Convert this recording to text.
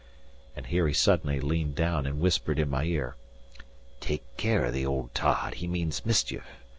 And here he suddenly leaned down and whispered in my ear: "Take care of the old tod;* he means mischief.